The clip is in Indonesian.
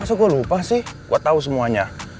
masa gue lupa sih gue tahu semuanya